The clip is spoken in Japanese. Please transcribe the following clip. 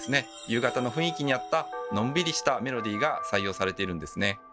夕方の雰囲気に合ったのんびりしたメロディーが採用されているんですね。